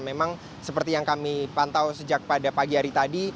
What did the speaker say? memang seperti yang kami pantau sejak pada pagi hari tadi